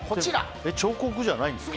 彫刻じゃないんですか？